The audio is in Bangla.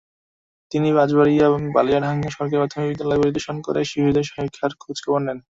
তিনি পাঁচবাড়িয়া বালিয়াডাঙ্গা সরকারি প্রাথমিক বিদ্যালয় পরিদর্শন করে শিশুদের শিক্ষার খোঁজখবর নেন।